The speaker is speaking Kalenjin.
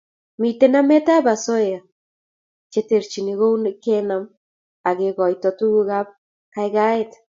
Mitei nametab osoya che terchin kou kenam akekoito tugukab kaikaikaet